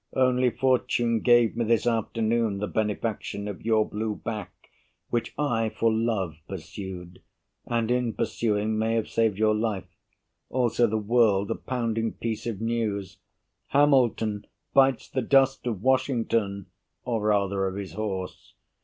Only Fortune Gave me this afternoon the benefaction Of your blue back, which I for love pursued, And in pursuing may have saved your life Also the world a pounding piece of news: Hamilton bites the dust of Washington, Or rather of his horse.